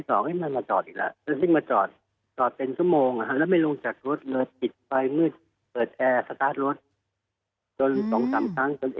สัญญาณหนึ่งสนุกตรงนั้นให้ไปนี่แหละครับ